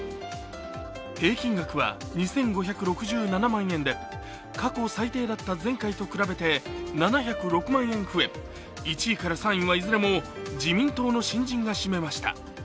平均額は２５６７万円で過去最低だった前回と比べて７０６万円増え１位から３位はいずれも自民党の新人が占めました。